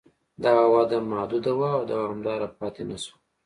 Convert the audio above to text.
دغه وده محدوده وه او دوامداره پاتې نه شوه